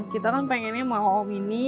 kita kan pengennya oom ini